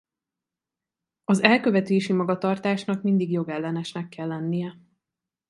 Az elkövetési magatartásnak mindig jogellenesnek kell lennie.